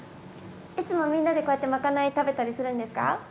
いつもみんなでこうやってまかない食べたりするんですか？